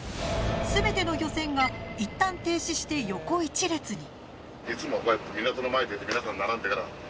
すべての漁船が一旦停止して横一列に。